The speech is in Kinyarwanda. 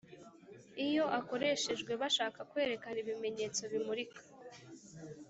iyo akoreshejwe bashaka kwerekana ibimenyetso bimurika